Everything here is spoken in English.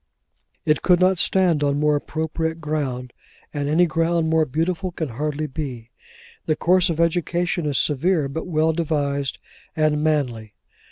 It could not stand on more appropriate ground, and any ground more beautiful can hardly be. The course of education is severe, but well devised, and manly.